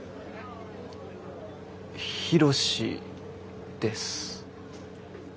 ヒロシです。